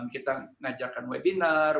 kita mengajarkan webinar